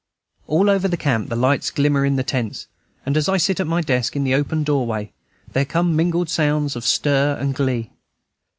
All over the camp the lights glimmer in the tents, and as I sit at my desk in the open doorway, there come mingled sounds of stir and glee.